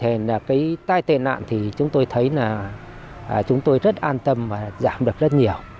vì cái đấy là cái việc mà người dân chúng tôi thấy là chúng tôi rất an tâm và giảm được rất nhiều